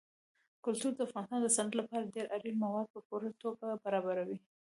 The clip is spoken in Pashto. کلتور د افغانستان د صنعت لپاره ډېر اړین مواد په پوره توګه برابروي.